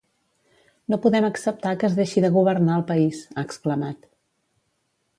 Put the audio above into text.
No podem acceptar que es deixi de governar el país, ha exclamat.